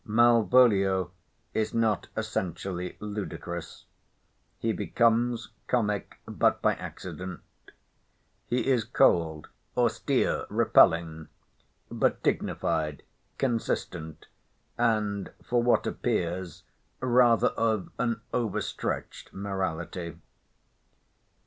Malvolio is not essentially ludicrous. He becomes comic but by accident. He is cold, austere, repelling; but dignified, consistent, and, for what appears, rather of an over stretched morality.